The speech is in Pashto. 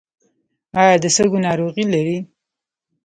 ایا د سږو ناروغي لرئ؟